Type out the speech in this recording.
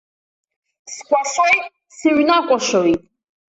Скәашоит, сыҩнакәашоит.